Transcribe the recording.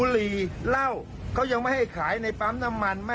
แต่ไอ้นี่มันเปิดร้านกัญชา